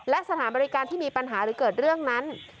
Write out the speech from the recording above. และสถานบริการที่มีปัญหาหรือเกิดเรื่องนั้น